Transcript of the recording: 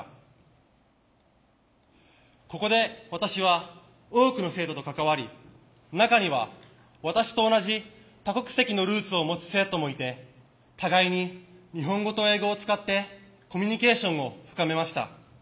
ここで私は多くの生徒と関わり中には私と同じ多国籍のルーツを持つ生徒もいて互いに日本語と英語を使ってコミュニケーションを深めました。